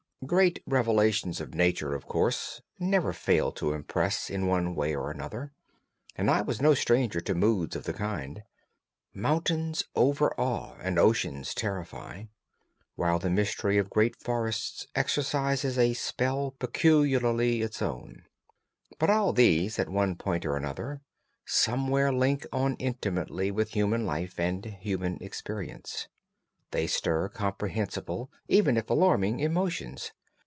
Great revelations of nature, of course, never fail to impress in one way or another, and I was no stranger to moods of the kind. Mountains overawe and oceans terrify, while the mystery of great forests exercises a spell peculiarly its own. But all these, at one point or another, somewhere link on intimately with human life and human experience. They stir comprehensible, even if alarming, emotions.